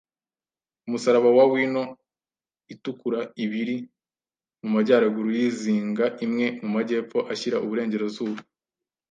umusaraba wa wino itukura - ibiri mu majyaruguru yizinga, imwe mu majyepfo ashyira uburengerazuba